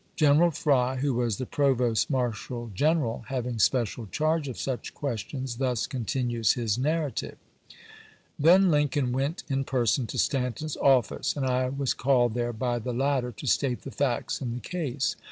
General Fry, who was the provost marshal general having special charge of such questions, thus con tinues his narrative : Then Lincoln went in person to Stanton's office, and I was called there by the latter to state the facts in the case.